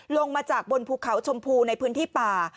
ลงมาจากบนภูเขาชมพูในพื้นที่ป่า